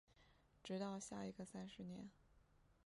直到下一个三十年